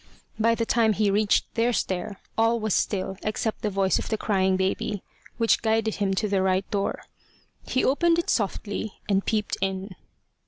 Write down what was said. By the time he reached their stair, all was still except the voice of the crying baby, which guided him to the right door. He opened it softly, and peeped in.